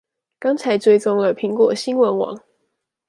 剛才追蹤了蘋果新聞網